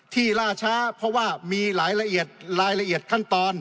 ล่าช้าเพราะว่ามีรายละเอียดรายละเอียดขั้นตอน